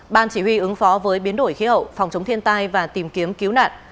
ban chỉ huy ứng phó với biến đổi khí hậu phòng chống thiên tai và tìm kiếm cứu nạn